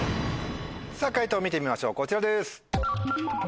解答見てみましょうこちらです。